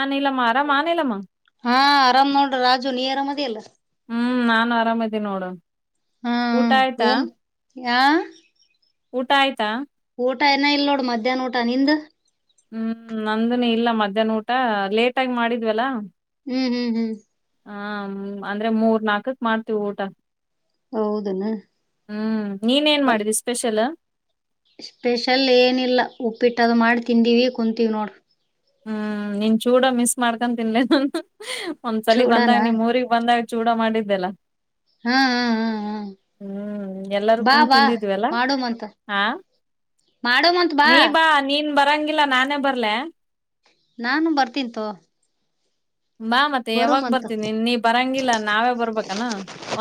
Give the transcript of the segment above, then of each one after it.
ಆನಲಮ್ಮ ಆರಾಮ ಆನಲಮ್ಮ ಹಾ ಆರಾಮ್ ನೋಡ್ರಿ ರಾಜು ನೀ ಅರಾಮದಿಲ್ಲ ಹ್ಮ್ ನಾನ್ ಆರಾಮ್ದೀನಿ ನೋಡ ಊಟಾಯ್ತಾ ಆಾ ಊಟ ಆಯ್ತಾ ಊಟ ಏನ ಇಲ್ ನೋಡ್ ಮಧ್ಯಾಹ್ನ ಊಟ ನಿಂದ್ ಹ್ಮ್ ನಂದನ ಇಲ್ಲ ಮಧ್ಯಾಹ್ನ ಊಟ ಲೇಟಾಗಿ ಮಾಡಿದ್ವಲ್ಲಾ ಹ್ಮ್ ಹ್ಮ್ ಹ್ಮ್ ಹ ಅಂದ್ರೆ ಮೂರ್ ನಾಲ್ಕಕ್ ಮಾಡ್ತೀವಿ ಊಟ ಹೌದನ ಹ್ಮ್ ನೀನ್ೇನ್ ಮಾಡಿದಿ ಸ್ಪೆಷಲ್ ಸ್ಪೆಷಲ್ ಏನಿಲ್ಲ ಉಪ್ಪಿಟ್ಟದು ಮಾಡಿ ತಿಂದಿವವಿ ಕುಂತೀವಿ್ ನೋಡ್ರ ಹ್ಮ್ ನೀನ್ ಚೂಡ ಮಿಸ್ ಮಾಡ್ಕ ತಿನ್ಲ ನನ್ ಒಂದ್ಸಲ ಚೂಡಾನ ಬಂದಾಗ ನಿಮ್ ಊರಿ ಬಂದಾಗ ಚೂಡ ಮಾಡಿದ್ದೆಲ್ಲ ಹ್ಮ್ ಹ್ಮ್ ಹ್ಮ್ ಹ್ಮ್ ಹ್ಮ್ ಎಲ್ಲಾರೂ ಬಾ ಕುಂತ್ ಬಾ ತಿಂದಿದ್ವಲ್ಲ ಮಾಡೋಮಂತ ಹಾ ಮಾಡೋಮಂತ ಬಾ ನೀ ನೀನ್ ಬರಂಗಿಲ್ಲ ನಾನೇ ಬರ್ಲೆ ನಾನು ಬರ್ತೀಂತು ಬಾ ಮತ್ತೆ ಯಾವಾಗ ಬರ್ತೀನಿ ನೀ ಬರಂಗಿಲ್ಲ ನಾವೇ ಬರ್ಬೇಕಾನ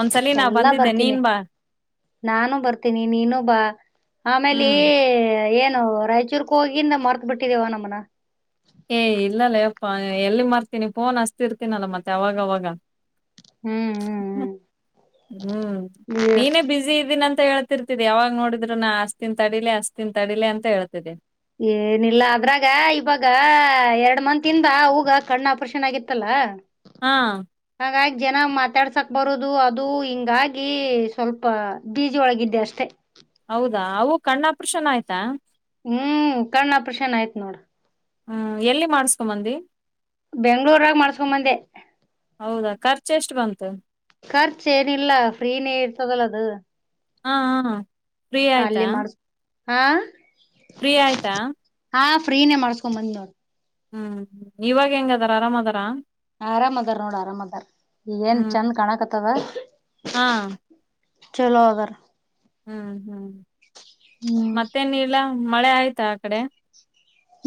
ಒಂದ್ಸಲ ನಾ ಎಲ್ಲಾ ಬಂದಿದ್ದೆ ಬರ್ತೀನಿ ನೀನ್ ಬಾ ನಾನು ಬರ್ತೀನಿ ನೀನು ಬಾ ಆಮೇಲಿ ಹ್ಮ್ ಏನ್ ನಾವು ರಾಯಚೂರ್ಕ ಹೋಗಿಿಂದ ಮರ್ತ ಬಿಟ್ಟಿದೇವ ನಮ್ಮನ ಏ್ ಇಲ್ಲಲ್ಲ ಯಪ್ಪಾ ಎಲ್ಲಿ ಮಾಡ್ತೀನಿ ಫೋನ್ ಹಚ್ಚಿ ಇರ್ತೀನಲ್ಲ ಮತ್ತೆ ಅವಾಗವಾಗ ಹ್ಮ್ ಹ್ಮ್ ಹ್ಮ್ ಹ್ಮ್ ಈ ನೀನೇ ಬಿಸಿ ಇದ್ದೀನಂತ ಅಂತ ಹೇಳ್ತಿರ್ತಿದೆ ಯಾವಾಗ ನೋಡಿದ್ರು ನಾ ಅಸ್ತನ್ ತಡಿಲಿ ಅಸ್ತಿನ್ ತಡಿಲಿ ಅಂತ ಹೇಳ್ತಿದೆ ಏನಿಲ್ಲ ಅದ್ರಾಗ ಇವಾಗ ಎರಡ್ ಮತ್ ಇಿಂದ ಅವ್ವಗ ಕಣ್ಣ ಆಪರೇಷನ್ ಆಗಿತ್ತಲ್ಲ ಹಾ ಹಾಗಾಗಿ ಜನ ಮಾತಾಡ್ಸಕ್ ಬರುದು ಅದು ಹಿಂಗಾಗಿ ಸ್ವಲ್ಪ ಬೀಜೊಳಗಿದ್ದೆ ಅಷ್ಟೆ ಹೌದಾ ಅವು ಕಣ್ಣಾಪ್ರೇಷನ್ ಆಯ್ತಾ ಹ್ಮ್ ಕರ್ಣಪಷನ್ ಆಯ್ತ್ ನೋಡ ಹ್ಮ ಎಲ್ಲಿ ಮಾಡಸ್ಕೊಂಬಂದಿ ಬೆಂಗ್ಳೂರಾಗ ಮಾಡಸ್ಕೊಂಬಂದೆ ಚೆಸ್ಟ್ ಬಂತು ಖರ್ಚ ಏನಿಲ್ಲ ಫ್ರೀನೇ ಇರ್ತದಲ್ಲ ಅದು ಹಾ ಹಾ ಫ್ರೀ ಆಯ್ತಾ ಅಲ್ಲಿ ಮಾಡ್ಸ್ ಹಾ ಪ್ರೀ ಆಯ್ತಾ ಹಾ ಫ್ರೀನೇ ಮಾಡಸ್ಕೊಂಡ್ ಬಂದ್ ನೋಡ್ ಹ್ಮ್ ಇವಾಗ ಹೆಂಗದಾರ ಅರಾಮ್ ಅದಾರಾ ಆರಾಮ್ ಅದಾರ್ ನೋಡ ಆರಾಮ್ ಅದಾರ್ ಏನ್ ಹ್ಮ್ ಚಂದ ಕಾಣಕ್ತ್ತವ ಹಾ ಚಲೋ ಅದರ ಹ್ಮ್ ಹ್ಮ್ ಹ್ಮ್. ಮತ್ತೆನೀಲ ಮಳೆ ಆಯ್ತಾ ಆ ಕಡೆ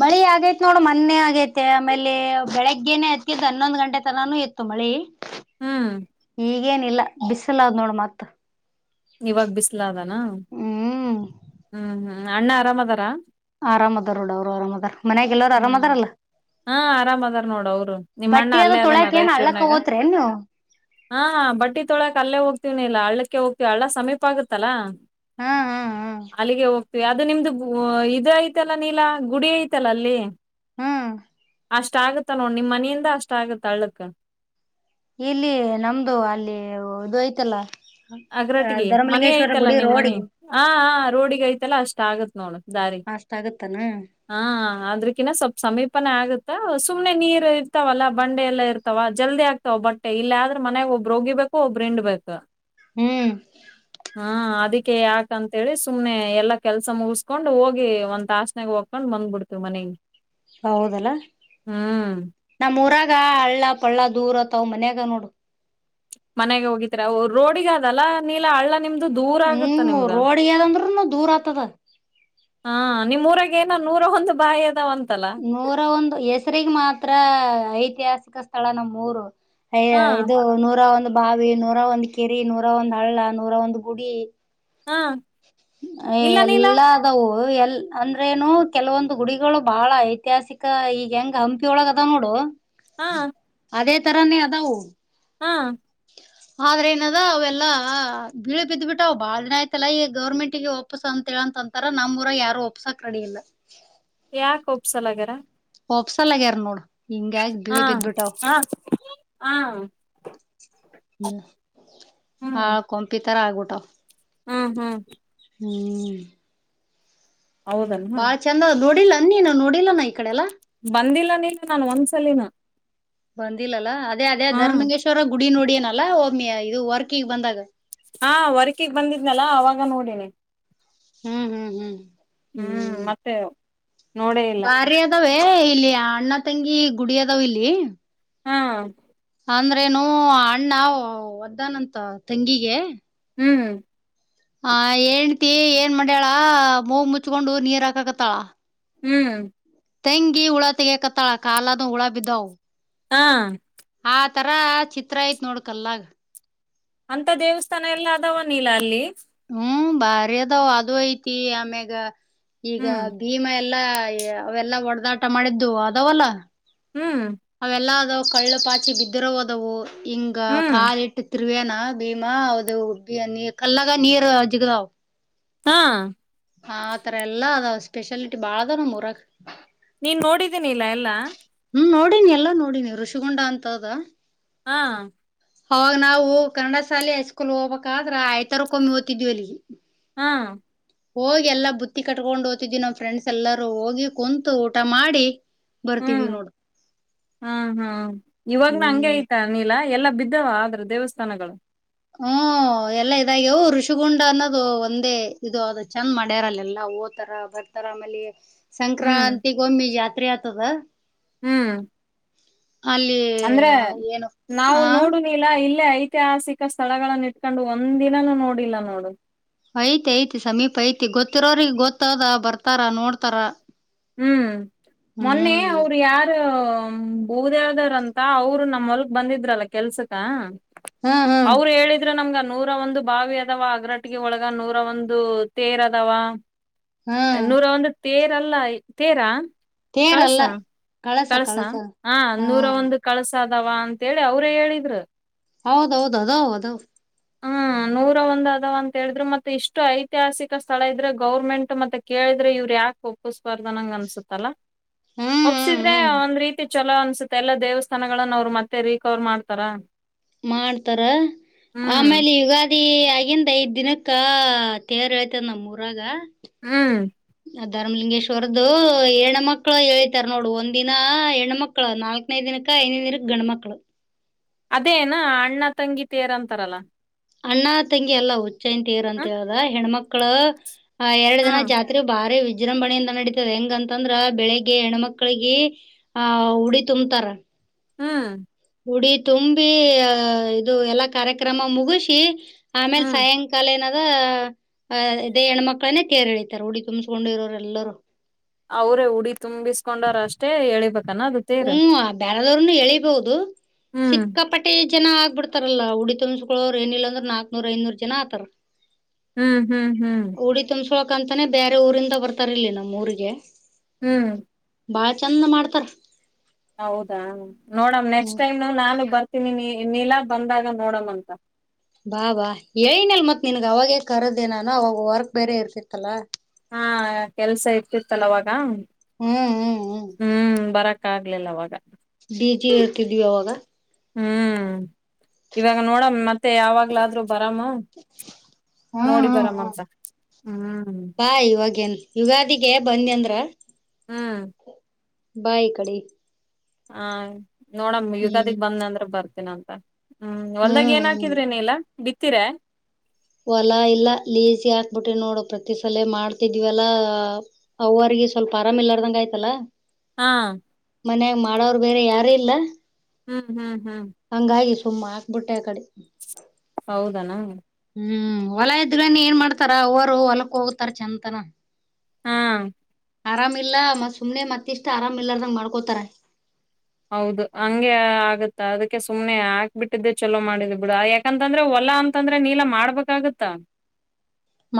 ಮಳಿ ಆಗೇತ್ ನೋಡು ಮೊನ್ನೆ ಆಗೈತೆ ಆಮೇಲೆ ಬೆಳಗ್ಗೆನೆ ಹತ್ತಿದು ಹನ್ನೊಂದ್ ಗಂಟೆ ತನಾನು ಇತ್ತು ಮಳಿ ಹ್ಮ್ ಈಗೇನಿಲ್ಲ ಬಿಸಲ್ ಆದ ನೋಡ್ ಮತ್ ಇವಾಗ ಬಿಸ್ಲಾದ ಹ್ಮ್ ಹ್ಮ್ ಹ್ಮ್ ಅಣ್ಣ ಆರಾಮ್ ಅದಾರ ಆರಾಮದಾರ ನೋಡ ಅವ್ರು ಆರಾಮದಾರ ಮನ್ಯಾಗ ಎಲ್ಲಾರು ಹ್ಮ್ ಆರಾಮದಾರಲ್ಲ ಹಾ ಆರಾಮ್ ಅದಾರ ನೋಡು ಅವರು ನಿಮ್ಮ ಅಣ್ಣ ಬಟ್ಟಿ ಅದು ಅಲ್ಲೇ ಅದಾನ ತೊಳ್ಯಾಕ್ ಏನ್ ಹಳ್ಳಕ್ಕ ರಾಯಚೂರ್ನಾಗ ಹೋತ್ರಿ ಏನ್ ನೀವು ಹಾ ಬಟ್ಟಿ ತೊಳಕ್ ಅಲ್ಲೇ ಹೋಗ್ತವಿ [unintelligible] ಹಳ್ಳಕ್ಕೆ ಹೋಗ ಹಳ್ಳ ಸಮೀಪ ಆಗುತ್ತಲ್ಲಾ ಹಾ ಹಾ ಹಾ ಅಲ್ಲಿಗೆ ಹೋಗು ಯಾವ್ದದು ನಿಮ್ದು ಇದು ಐತಲ್ಲ ನೀಲಾ ಗುಡಿ ಐತಲ್ಲ ಅಲ್ಲಿ ಹ್ಮ್ ಅಷ್ಟ ಆಗುತ್ತ ನೋಡ್ ನಿಮ್ ಮನೆಯಿಂದ ಅಷ್ಟ ಆಗತ್ತ ಅಳ್ಳಕ್ ಇಲ್ಲಿ ನಮ್ದು ಅಲ್ಲಿ ಇದು ಐತಲ್ಲಾ ಅಗ್ರಟಗಿ ಮನೆ ಐತಲ್ಲ ನಿಮ್ ಮನೆ ರೋಡಿಗೆ ಹ ಹ ರೋಡಿಗೆ ಐತಲ್ಲ ಅಷ್ಟೇ ಆಗತ್ ನೋಡು ದಾರಿ ಅಷ್ಟ ಆಗತ್ತಾನ ಹಾ ಅದ್ರಕಿನ್ನ ಸ್ವಲ್ಪ ಸಮೀಪನ ಆಗುತ್ತೆ ಸುಮ್ನೆ ನೀರು ಇರ್ತಾವಲ್ಲಾ ಬಂಡೆ ಎಲ್ಲಾ ಇರ್ತಾವ ಜಲ್ದಿ ಆಗ್ತಾವ ಬಟ್ಟೆ ಇಲ್ಲ ಆದ್ರೆ ಮನ್ಯಾಗ ಒಬ್ರು ವೋಗಿಬೇಕು ಒಬ್ಬರು ಇಂಡಬೇಕು ಹ್ಮ್ ಹಾ ಅದಕ್ಕೆ ಅದಕೆ ಯಾಕ ಅಂತೇಳಿ ಸುಮ್ನೆ ಎಲ್ಲಾ ಕೆಲ್ಸ ಮುಗಸ್ಕೊಂಡ್ ಹೋಗಿ ಒಂದು ತಾಸಿನ್ಯಾಗ ಹ್ಕೊಂಡ್ ಬಂದ್ಬಿಡ್ತವಿ ಮನಗಿ ಹೌದಲ್ಲ ನಮ್ಮುರುಗ ಹಳ್ಳ ಪಳ್ಳ ದೂರ ಆತಾವ್ ಮನ್ಯಾಗ ನೋಡು ಮನೆಗೆ ಹೋಗಿದ್ರ ರೋಡಿಗ ಅದಲ್ಲಾ ನೀಲ ಹಳ್ಳ ನಿಮ್ದ ಹ್ಮ್ ರೋಡಗಿ ಆದ ಅಂದೂರನು ದೂರ ಆತದ ನಿಮ್ಮ್ೂರಗ ಏನ ನೂರ ಒಂದು ಬಾಯಿ ಅದವ ಅಂತ ನೂರ ಒಂದು ಹೆಸರಿಗೆ ಮಾತ್ರ ಐತಿಹಾಸಿಕ ಕ ಸ್ಥಳ ನಮ್ಮೂರು ಅಯ ಹಾ ಇದು ನೂರ ಒಂದು ಬಾವಿ ನೂರ ಒಂದ್ ಕೆರಿ ನೂರ ಒಂದ್ ಹಳ್ಳ ನೂರ ಒಂದ್ ಗುಡಿ ಹಾ ಇಲ್ಲ ನೀಲ ಎಲ್ಲಾ ಅದವು ಅಂದ್ರೆೇನು ಕೆಲವೊಂದು ಗುಡಿಗಳು ಬಾಳ ಐತಿಹಾಸಿಕ ಈಗ ಹೆಂಗ್ ಹಂಪಿೊಳಗ ಅದ ನೋಡು ಹಾ ಅದೇ ತರಾನೇ ಅದವು ಹಾ ಆದ್ರೆ ನದ ಅವೆಲ್ಲಾ ಬಿೀಳು ಬಿದ್ ಬಿಿಟ್ಟ ಅವ್ ಬಾಳ ದಿನ ಆಯ್ತಲ್ಲ ಈಗ್ ಗವರ್ಮೆಂಟ್ಗೆ ಒಪ್ಸ ಅಂತ ಹೇಳಂತಂತಾರ ನಮ್ಮೂರಗ್ ಯಾರು ಒಪ್ಪಪ್ಸಾಕ್ ರೆಡಿ ಇಲ್ಲ ಯಾಕ ಒಪ್ಸಲಗ್ಯಾರ ಓಫಸ ಅಲ್ಲಗ್ಯರ್ ನೋಡು ಹಿಂಗಾಗಿ [inaudible] ಬೀಳ ಹಾ ಬಿದ್ಬಿಟ್ಟಾವ್ ಹಾ [inaudible] ಹಾ ಹ್ಮ ಹ್ಮ್ ಹಾಳ್ ಕೊಂಪಿತರ ಆಗ್ಬಿಟಾವ್ ಹ್ಮ್ ಹ್ಮ್ ಹ್ಮ್ [inaudible] ಹ್ಮ ಹೌದನ್ ಬಾಳ ಚಂದದ್ ನೋಡಿಲ್ಲ ನನ್ನಿ ನಾ ನೋಡಿಲ್ಲ ನ ಈ ಕಡೆಲ್ಲ ಬಂದಿಲ್ಲ ನೀನು ನಾನ್ ಒಂದ್ಸಲಿನ ಬಂದಿಲ್ಲಲ್ಲ ಅೇ ಹಾ ಅದೇಧರ್ಮೇಶ್ವರ ಗುಡಿ ನೋಡಿ [unintelligible] ಒಮಿ ಇದು ವರ್ಕಿಗ್ ಬಂದಾಗ ಹಾ ವರ್ಕಿಗ್ ಬಂದಿದ್ನಲ್ಲ ಅವಾಗ ನೋಡಿನಿ ಹ್ಮ್ ಹ್ಮ್ ಹ್ಮ್ ಹ್ಮ್ ಮತ್ತೆ ನೋಡೇ ಇಲ್ಲ ಬಾರಿ ಅದಾವೇ ಇಲ್ಲಿ ಅಣ್ಣ ತಂಗಿ ಗುಡಿಯದಾವ್ ಇಲ್ಲಿ ಹಾ ಅಂದ್ರೇನು--ಅಣ್ಣ--ಒದ್ದನಂತ ತಂಗಿಗೆ ಹ್ಮ್ ಆ ಹೆಂಡ್ತಿ ಏನ್ ಮಾಡ್ಯಾಳ ಮೂಗ ಮುಚ್ಕೊಂಡು ನೀರ್ ಹಾಕಕತ್ತಾಳ ಹ್ಮ್ ತೆಂಗಿ ಹುಳ ತೆಗಕತ್ತಾಳ ಕಾಲದು ಹುಳ ಬಿದ್ದವು ಹಾ ಆತರಾ ಚಿತ್ರ ಐತ್ ನೋಡು ಕಲ್ಲಾಗ್ ಅಂತ ದೇವಸ್ಥಾನ ಎಲ್ಲ ಅದಾವ ನೀಲ್ಲ ಅಲ್ಲಿ ಹ್ಮ್ ಬಾರಿ ಅದಾವ ಅದು ಐತಿ ಆಮ್ಯಾಗ ಈಗ ಹ್ಮ್ ಭೀಮ ಎಲ್ಲ ಎಲ್ಲ ಅವೆಲ್ಲಾ ಒಡೆದಾಟ ಮಾಡಿದ್ದು ಅದಾವಲ್ಲ ಹ್ಮ್ ಅವೆಲ್ಲಾ ಅದ ಕಳ್ಳು ಪಾಚಿ ಬಿದ್ದಿರ ಹೋದವು ಇಂಗ ಹ್ಮ್ ಕಾಲಟ್ಟ ತಿ ವೇನಾ ಭೀಮಾ ಅದು ನೀ ಕಲ್ಲಾಗ ನೀರ್ ಅಜ್ಜಗದಾವ ಹಾ ಹ ಆತರ ಎಲ್ಲಾ ಅದವ ಸ್ಪೆಷಾಲಿಟಿ ಬಾಳದ ನಮ್ಮೂರಿಗ ನೀನ್ ನೋಡಿದ್ದೀನಿ ಇಲ್ಲ ಎಲ್ಲಾ ಹ್ಮ ನೋಡಿನಿ ಎಲ್ಲಾ ನೋಡಿನಿ ಋಷಿಗುೊಂಡ ಅಂತದ ಹಾ ಅವಾಗ ನಾವು ಕನ್ನಡ ಶಾಲೆ ಹೈಸ್ಕೂಲ್ ಹೋಗ್ಬೇಕಾದ್ರ ಆಯ್ತಾರ ಕಮ್ಮಿ ಓ್ತಿದ್ವಿ ಅಲ್ಲಿಗೆ ಹ್ಮ ಹೋಗಿ ಎಲ್ಲಾ ಬುತ್ತಿ ಕಟ್ಕೊಂಡ್ ಓ್ತಿದೀ ನಾ್ ಫ್ರೆಂಡ್ಸ್ ಎಲ್ಲಾರೂ ಹೋಗಿ ಕುಂತು ಊಟ ಮಾಡಿ ಹ್ಮ್ ಬರ್ತಿದೀವಿ ನೋಡು ಹ್ಮ ಹ್ಮ್ ಇವಾಗ್ನ ಹಂಗೆ ಹ್ಮ್ ಐತ ನೀಲಾ ಎಲ್ಲ ಬಿದ್ದಾವ ಆದ್ರ ದೇವಸ್ಥಾನಗಳು ಹ್ಮ್ ಎಲ್ಲಾ ಇದಾಗ್ಯವು ಋಷಿಗುಂಡ ಅನ್ನೋದು ಒಂದೇ ಇದು ಅದು ಚೆಂದ ಮಾಡ್ಯಾರಲ್ಲ ಎಲ್ಲ ಓತಾರ ಬರ್ತಾರ ಆಮೇಲೆ ಹ್ಮ್ ಸಂಕ್ರಾಂತಿಗೊಮ್ಮಿ ಜಾತಿ ಫ್ರೀಯತದೆ ಹ್ಮ್ ಅಂದ್ರೆ ಏನು ನಾವು ಆ ನೋಡುನಿಲ್ಲಾ ಇಲ್ಲೇ ಐತ ಐತಿಹಾಸಿಕ ಸ್ಥಳಗಳನ್ನ ಇಟ್ಕೊಂಡು ಒಂದ್ ದಿನನುೂ ನೋಡಿಲ್ಲ ನೋಡು ಐ್ತ್ ಐತಿ ಸಮೀಪ ಐತಿ ಗೊತ್ತಿರೋ್ರಿಗೆ ಗೊತ್ತದ ಬರ್ತಾರ ನೋಡ್ತಾರ ಹ್ಮ್ ಮೊನ್ನೆ ಹ್ಮ್ ಅವರು ಯಾರ ಬೂದ್ಯಾಳ ಅವ್ರು ಅಂತ ನಮ್ಮ್ ಹೊಲ್ಕ್ ಬಂದಿದ್ರಲ್ಲ ಕೆಲ್ಸಕ್ಕ ಹ್ಮ್ ಹ್ಮ್ ಅವರು ಹೇಳಿದ್ರ ನಮ್ಗ ನೂರ ಒಂದು ಬಾವಿ ಅದಾವ ಅಗ್ರಟ್ಟಿಗೆ ಒಳಗ ನೂರ ಒಂದು ತೇರ್ ಅದಾವ ಹ್ಮ್ ನೂರ ಒಂದು ತೇರ ಚೆಲ್ಲಾ [unintelligible] ತೇರಾ ಕಳ್ಸ ತೇರಲ್ಲ ಕಳಸ ಕಳ್ಸ ಕಳಸ ಹ ಹಾ ನೂರ ಒಂದು ಕಳ್ಸ ಸದಾವ ಅಂತೇಳಿ ಅವ್ರೇ ಹೇಳಿದ್ರು ಹೌದೌದು ಅದ ಅದ ಹ್ಮ್ ನೂರ ಒಂದ್ ಅದ ಅಂತ ಹೇಳಿದ್ರು ಮತ್ತೆ ಇಷ್ಟು ಐತಿಹಾಸಿಕ ಸ್ಥಳ ಇದ್ರೆ ಗೌರ್ಮೆಂಟ್ ಮತ್ತೆ ಕೇಳಿದ್ರೆ ಇವ್ರು ಯಾಕೆ ಒಪ್ಪಸ್ತ ಸ್ಪರ್ದನಂಗ್ ಅನ್ಸತ್ತಲ್ಲಾ ಹ್ಮ್ ಹ್ಮ್ ಒಪ್ಸಿದ್ರೆ ಹ್ಮ್ ಒಂದ್ ರೀತಿ ಚಲೋ ಅನ್ಸುತ್ತೆ ಎಲ್ಲಾ ದೇವಸ್ಥಾನಗಳನ್ನ ಅವ್ರು ಮತ್ತೆ ರಿಕವರ್ ಮಾಡ್ತಾರ ಮಾಡ್ತಾರ ಹ್ಮ್ ಆಮೇಲೆ ಯುಗ ಯುಗಾದಿ ಅದೀ ಆಗಂದ ಐದ್ ದಿನಕ್ಕ ತೇರ್ ಎಳಿತದ ನಮೂರಾಗ ಹ್ಮ್ ಧರ್ಲಿಂಗೇಶ್ವರ್ದ್ದು ಹೆಣ ಮಕ್ಳು ಎಳಿತರ್ ನೋಡು ಒಂದ್ನ ಹೆಣ್ಮಕ್ಳ ನಾಲ್ಕನೈ ದಿನಕ್ಕ ಐನೈದು ದಿನಕ್ಕ ಗಂಡ್ಮಕ್ಳು ಅದೇನಾ ಅಣ್ಣ ತಂಗಿ ತೇರ ಅಂತಾರಲ್ಲ ಅಣ್ಣಾ ತಂಗಿ ಅಲ್ಲವ ಚೈನ್ ತೀರ್ ಹ ಅಂತ ಹೇಳದ ಹೆಣ್ಮಕ್ ಮಕ್ಕಳ ಹ ಎರಡು ದಿನ ಹ್ಮ್ ಜಾತ್ರೆ ಭಾರಿ ವಿಜೃಂಭಣೆಯಿಂದ ನಡತದ ಹೆಂಗಂತಂದ್ರ ಬೆಳಿಗ್ ಹೆಣ್ಮಕ್ಳಿಗೆ ಆಹ ಉಡಿ ತುಂಬತಾರ ಹ್ಮ್ ಉುಡಿ ತುಂಬಿ ಅ ಇದು ಎಲ್ಲಾ ಕಾರ್ಯಕ್ರಮ ಮುಗಿಸಿಿ ಆಮೇಲೆ ಹ್ಮ್ ಸಾಯಂಕಾಲ ಏನಾದ ಇದೇ ಹೆಣ್ಮಕ್ಳನ್ನೇ ತೇರು ಎಳಿತಾರೆ ಉುಡಿ ತುಂಬಸ್ಕೊಂಡು ಇರೋರೆ ಎಲ್ಲರೂ ಅವ್ರೇ ಉಡಿ ತುಂಬಿಸ್ಕೊಂಡಾರ ಅಷ್ಟೇ ಎಳಿಬೇಕನ ಅದು ತೇರು ಹ್ಮ ಬೇರಾದವರನು ಎಳಿಬಹುದು ಹ್ಮ್ ಸಿಕ್ಕಾಪಟ್ಟೆ ಜನ ಆಗ್ಬ ಬಿಡ್ತಾರಲ್ಲ ಉಡಿ ತುಂಬಸ್ಕಳ್ಳವರು ಏನಿಲ್ಲ ಅಂದ್ರರು ನಾಕ್ನೂರ್ ಐನೂರು ಜನ ಆತಾರ ಹ್ಮ್ ಹ್ಮ್ ಹ್ಮ್ ಕ್ಕತನೇ ಬೇರೆ ಊರಿಂದ ಬರ್ತಾರ ಇಲ್ಲಿ ನಮ್ಮ್ ಊರಿಗೆ ಹ್ಮ್ ಚೆಂದ ಮಾಡ್ತಾರ ಹೌದಾ ನೋಡಮ್ಮ ನೆಕ್ಸ್ಟ್ ಹ್ಮ್ ಟೈಮ್ ನಾನು ಬರ್ ತ್ತಿನಿ ನೀಲ ಬಂದಾಗ ನೋಡಮಂತ ಬಾ ಬಾ ಹೇಳಿನಿ ಅಲಾ ಮತ್ ನಿನ್ಗ್ ಅವಾಗೇ ಕರದೆೇ ನಾನು ಅವಾಗ ವರ್ಕ್ ಬೇರೆ ಇರ್ತಿತ್ತಲ್ಲ ಹಾ ಕೆಲ್ಸ ಇರ್ತಿತ್ತಲ್ಲ ಅವಾಗ ಹ್ಮ್ ಹ್ಮ್ ಹ್ಮ್ ಕ್ಕಗ್ಲಿಲ್ಲ ಅವಾಗ ಬೀಜಿ ಇರ್ತಿದೀವಿ ಅವಾಗ ಹ್ಮ್ ಇವಾಗ ನೋಡಮ್ ಮತ್ತೆ ಯಾವಾಗ್ಲಾದರೂ ಹ್ಮ ಹ್ಮ ಹ್ಮ ಬರಾಮಂತ ಹ್ಮ್ ಬಾ ಇವಗೇನ್ ಯುಗಾದಿಗೆ ಬನ್ನಿ ಅಂದ್ರ ಹ್ಮ್ ಬಾ ಈಕಡಿ ಹಾ ನೋಡಮ ಯುಗಾದಿ ಬಂದ್ ಅಂದ್ರ ಬರ್ ತ್ತೀನಿ ಅಂತ ಹ್ಮ್ ಏನ್ ಹೊಲದಾಗ ಹ್ಮ್ ಹಾಕಿದ್ರ ನ ನೀಲಾ ಬಿತ್ತೀರಾ ಹೊಲಾ ಇಲ್ಲ ಲೀಜಿ ಹಾಕ್ಬಿಟೀನಿ ನೋಡು ಪ್ರತಿ ಸಲ ಮಾಡ್ತಿದ್ವಿಲ್ಲಾ ಅವ್ವರಿಗೆ ಸ್ವಲ್ಪ ಆರಾಮ ಇಲ್ಲಾರದಂಗ ಆಯ್ತಲ್ಲ ಹಾ ಮನ್ಯಾಗ ಮಾಡೋರು ಬೇರೆ ಯಾರು ಇಲ್ಲ ಹ್ಮ್ ಹ್ಮ್ ಹ್ಮ್ ತುಮ್ಮ ಹಾಕ್ಬಿಟ್ಟೆ ಆ ಕಡೆ ಹೌದೇನು ಹ್ಮ್ ಹೊಲ ಇದ್ರನ್ನು ಏನ್ ಮಾಡ್ತಾರ ಅವ್ವರು ಹೊಲಕ್ ಹೋಗ್ತಾರ ಚಂತನ ಹಾ ಆರಾಮಿಲ್ಲ ಮತ್ ಸುಮ್ನೆ ಮತ್ತ ಇಷ್ಟ್ ಆರಾಮ ಇಲ್ಲಾರಂಗ್ ಮಾಡ್ಕೋತಾರ ಹೌದು ಹಂಗೆ ಆಗ ಗುತ್ತಾ ಅದಕ್ಕೆ ಸುಮನೆ ಹಾಕ್ಬ ಬಿಟ್ಟಿದ್ದೆ ಚಲೋ ಮಾಡಿದ್ ಬಿಡ ಯಾಕಂತಂದ್ರ ಹೊಲ ಅಂತಂದ್ರೆ ನೀಲ ಮಾಡ್ಬೇಕಾಗತ್ತಾ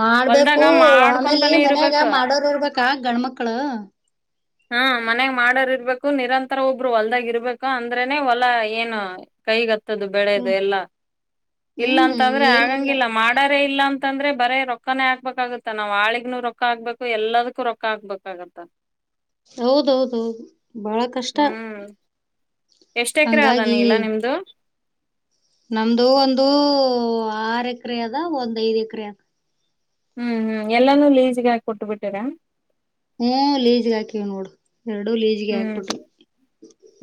ಮಾಡ್ಬೇಕು ಆಮೇಲಿ ಮನ್ಯಾಗ ಇರ್ಬೇಕ ಮಾಡೋರ್ ಇರ್ಬೇಕಾ ಗಂಡ್ಮಕ್ಳು ಹಾ ಮನ್ಯಾಗ ಮಾಡಾರ್ ಇರ್ಬೇಕು ನಿರಂತರ ಹೋಗ ಒಬ್ರು ಹೊಲ್ದಾಗ ಇರ್ಬೇಕು ಅಂದ್ರೆನೆ ಹೊಲ ಏನು ಕೈಗತ್ತ ಬೆಳೆದು ಎಲ್ಲ ಇಲ್ಲ ಹ್ಮ್ ಅಂತಂದ್ರೆ ಏನಿಲ್ಲ ಆಗಂಗಿಲ್ಲ ಮಾಡ ಇಲ್ಲ ಅಂತಂದ್ರೆ ಬರೇ ರೊಕ್ಕಾನೇ ಆಕ್ಬೇಕಾಗತ್ತ ನಾವ್ ಆಳಿಗ್ನುೂ ರೊಕ್ಕ ಹಾಕ್ಬೇಕು ಎಲ್ಲದಕ್ಕೂ ರೊಕ್ಕ ಹಾಕ್ಬೇಕಾಗತ್ತ ಹೌದೌದುದು ಬಹಳ ಕಷ್ಟ ಹ್ಮ್ ಎಷ್ಟ ಎಕರೆ ಆದಾನಿ ಇಲ್ಲ ನಿಮ್ದು ನಮ್ದ ಒಂದು ಆರ್ ಎಕರೆ ಅದ ಒಂದ್ ಐದ್ ಎಕರೆ ಅದ ಹ್ಮ್ ಹ್ಮ್ ಎಲ್ಲಾನು ಲೀಜಗ ಕೊಟ್ಟಬಿಟ್ಟಿರ ಹ್ಮ ಲೇಜಗಕ್ಕೆ ನೋಡ ಎರಡ ಲೇಜ್ಿಗೆ ಹ್ಮ್ ಹಾಕ್ಬಿಟ್ು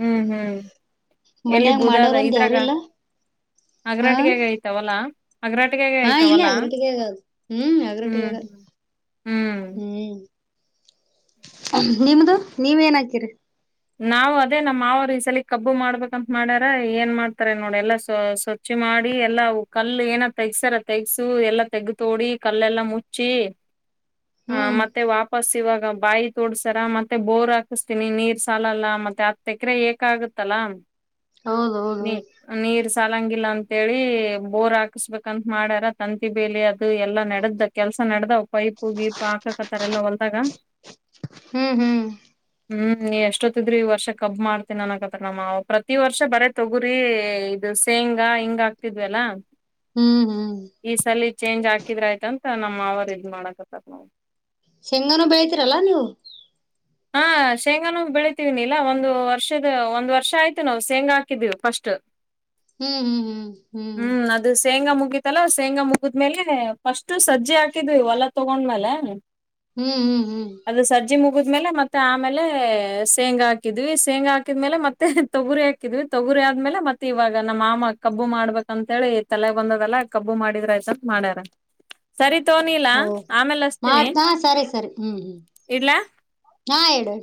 ಹ್ಮ್ ಹ್ಮ್ ಎಲ್ಲಿ ಬೂುದಾದ ಇದ್ರಾಗ ಹಾ ಅಗರಾಟಿಗೆಾಗ ಐ್ತಾವಲ್ಲಾ ಹಾ ಇಲ್ಲ ಅದ್ರಟ್ಟಿಗೆ ಆಗದು ಹ್ಮ್ ಅದ್ರಟ್ಟಿಗೆ ಹ್ಮ್ ಆಗಲ್ ಹ್ಮ್ ಹ್ಮ್ ನಿಮ್ದು ನೀವೇಏನ ಹಾಕಿರಿ ನಾವವು ಅದೇ ನಮ್ಮ್ ಮಾವರು ಈ ಸಲ ಕಬ್ಬು ಮಾಡ್ಬೇಕಂತ ಮಾಡ್ಯಾರ ಏನ್ ಮಾಡ್ತಾರ ನೋಡಿ ಎಲ್ಲಾ ಸ್ ಸ್ವಚ್ಿ ಮಾಡಿ ಎಲ್ಲಾ ಕಲ್ಲು ಏನ ತೆಗ್ಸ್ಯಾರ ತೆಗ್ಸು ಎಲ್ಲಾ ತೆಗ ತೋಡಿ ಕಲ್ಲೆಲ್ಲಾ ಮುಚ್ಚಿ ಹಾ ಹ್ಮ್ ಮತ್ತೆ ವಾಪಸ್ ಇವಾಗ ಬಾಯಿ ತೋಡ್ಸರ ಮತ್ತೆ ಬೋರ್ ಹಾಕಿಸ್ತೀನಿ ನೀರ್ ಸಾಲಲ್ಲ ಮತ್ತೆ ಹತ್ ಎಕರೆ ಏಕ ಆಗತ್ತಲ್ಲ ನೀ ಹೌದೌದೌದು ನೀರ್ ಸಾಲಂಗಿಲ್ಲ ಅಂತೇಳಿ ಬೋರ್ ಹಾಕಸ್ಬೇಕಂತ ಮಾಡ್ಯಾರ ತಂತಿ ಬೇಲಿ ಅದು ಎಲ್ಲಾ ನಡೆದ್ದ ಕೆಲ್ಸ ನಡೆ್ದ ಪೈಪು ಗೀಪು ಹಾಕಕತಾರೆ ಎಲ್ಲಾ ಹೊಲ್ದಾಗ ಹ್ಮ್ ಹ್ಮ್ ಹ್ಮ್ ನೀ ಅಷ್ಟ ಷ್ಟಿದ್ರ ಈ ವರ್ಷ ಕಬ್ ಮಾಡ್ತನ ಅನಕತ್ತರ್ ನಮ್ಮ್ ಮಾವ ಪ್ರತಿ ವರ್ಷ ಬರ ತೊಗುರಿ ಇದು ಸೇಂಗ ಹಿಂಗ ಆಗ್ತಿದ್ವಿಲ್ಲ ಹ್ಮ್ ಹ್ಮ್ ಈ ಸಲ ಚೇಂಜ್ ಹಾಕಿದ್ರ ಆಯ್ತ ಅಂತ ನಮ್ಮ್ ಮಾವರು ಇದ್ ಮಾಡಕತ್ತರ್ ನಾವವು ಶೇಂಗಾನ ಬೆಳ್ತೀರಲ್ಲಾ ನೀವು ಹಾ ಶೇಂಗಾನು ಬೆಳಿತೀವಿಿ ನೀಲ ಒಂದು ವರ್ಷದ ಒಂದ್ ವರ್ಷ ಆಯ್ತು ನಾವವು ಶೇಂಗಾ ಹಾಕಿದೀವಿ ಫಸ್ಟ್ ಹ್ಮ್ ಹ್ಮ್ ಹ್ಮ್ ಹ್ಮ್ ಅದು ಶೇಂಗಾ ಮುಗಿತಲ್ಲ ಶೇಂಗಾ ಮುಗಿದ್ಮೇಲೆ ಫಸ್ಟು ಸಜ್ಜಿ ಹಾಕಿದ್ವಿ ಹೊಲ ತಗೊಂಡ್್ಮೇಲೆ ಹ್ಮ್ ಹ್ಮ್ ಹ್ಮ್ ್ಮೇಲೆ ಮತ್ತೆ ಆಮೇಲೆ ಶೇಂಗಾ ಹಾಕಿದ್ವಿ ಶೇಂಗಾ ಹಾಕಿದ್ಮೇಲೆ ಮತ್ತೆ ತೊಗುರಿ ಹಾಕಿದ್ವಿ ತೊಗುರಿ ಆದ್ಮೇಲೆ ಮತ್ತೆ ಇವಾಗ ನಮ್ಮ್ ಮಾಮ ಕಬ್ಬು ಮಾಡ್ಬೇಕ ಅಂತ ಹೇಳಿ ತಲೆಗ್ ಬಂದದಲ್ಲ ಕಬ್ಬು ಮಾಡಿದ್ರ ಆಯ್ತ ಮಾಡ್ಯಾರ ಸರಿ ನೀಲ ಹೌ ಆಮೇಲೆ ಹಸ್ತೀನಿ ಮಾಡ್ತಾ ಸರಿ ಸರಿ ಹ್ಮ್ ಹ್ಮ್ ಇಡ್ಲ ಹಾ ಇಡು